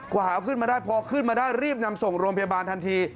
กว่าหาเอาขึ้นมาได้พอขึ้นมาได้รีบนำส่งโรงพยาบาลทันที